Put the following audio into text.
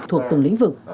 thuộc từng lĩnh vực